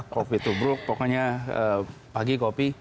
kopi tubruk pokoknya pagi kopi